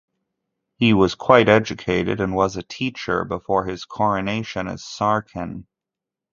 He was quite educated and was a teacher before his coronation as Sarkin.